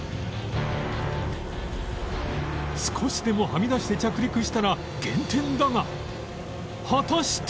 少しでもはみ出して着陸したら減点だが果たして